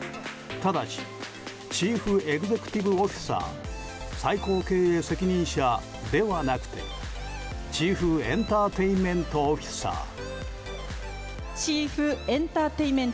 ただしチーフ・エグゼクティブ・オフィサー最高経営責任者ではなくチーフ・エンターテインメント・オフィサー。